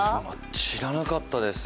知らなかったです。